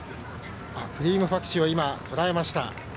フリームファクシを捉えました。